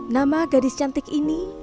nama gadis cantik ini